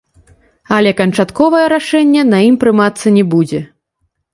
Але канчатковае рашэнне на ім прымацца не будзе.